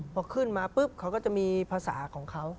พอขึ้นมาปุ๊บเขาก็จะมีภาษาของเขา